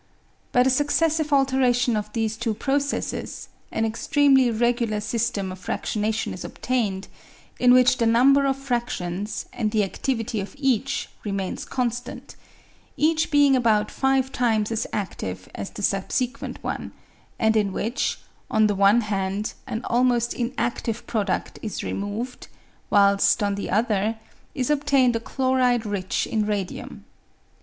By the successive alternation of the^e two processes, an extremely regular system of fractionation is obtained, in which the number of fractions and the adtivity of each remains constant, each being about five times as active as the subsequent one, and in which, on the one hand, an almost inadtive produdt is removed, whilst, on the other, is obtained a chloride rich in radium.